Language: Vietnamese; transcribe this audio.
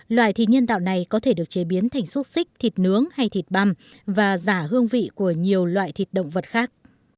loại thịt nhân tạo này có thể được chế biến thành xúc xích thịt nướng hay thịt băm và giả hương vị của nhiều loại thịt động vật khác